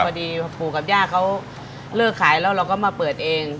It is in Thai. พอดีปู่กับย่าเขาเลิกขายแล้วเราก็มาเปิดเอง